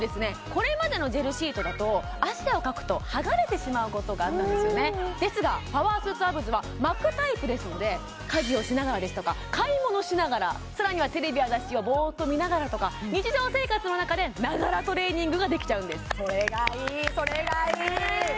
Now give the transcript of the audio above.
これまでのジェルシートだと汗をかくと剥がれてしまうことがあったんですよねですがパワースーツアブズは巻くタイプですので家事をしながらですとか買い物しながらさらにはテレビや雑誌をぼーっと見ながらとか日常生活の中でながらトレーニングができちゃうんですそれがいいそれがいい！